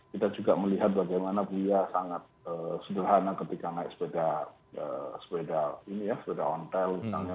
kita juga melihat bagaimana buya sangat sederhana ketika naik sepeda ini ya sepeda ontel misalnya